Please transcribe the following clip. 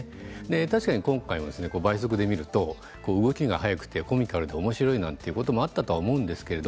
確かに今回、倍速で見ると動きが速くてコミカルでおもしろいなっていうこともあったと思うんですけど。